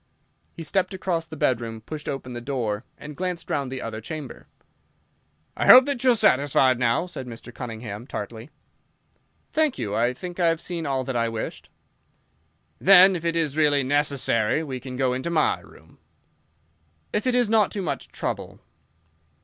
He stepped across the bedroom, pushed open the door, and glanced round the other chamber. "I hope that you are satisfied now?" said Mr. Cunningham, tartly. "Thank you, I think I have seen all that I wished." "Then if it is really necessary we can go into my room." "If it is not too much trouble."